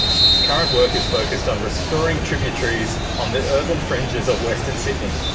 Current work is focussed on restoring tributaries on the urban fringes of Western Sydney.